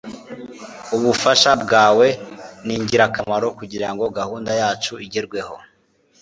Ubufasha bwawe ningirakamaro kugirango gahunda yacu igerweho. (spockofvulcan)